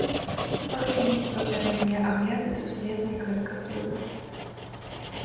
Паглядзіце папярэднія агляды сусветнай карыкатуры.